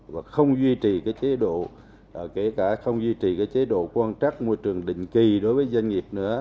và không duy trì cái chế độ kể cả không duy trì cái chế độ quan trắc môi trường định kỳ đối với doanh nghiệp nữa